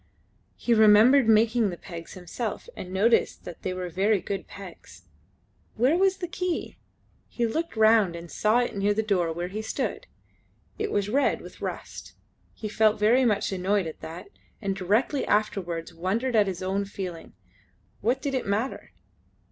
He remembered making the pegs himself and noticed that they were very good pegs. Where was the key? He looked round and saw it near the door where he stood. It was red with rust. He felt very much annoyed at that, and directly afterwards wondered at his own feeling. What did it matter?